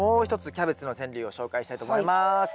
キャベツの川柳を紹介したいと思います。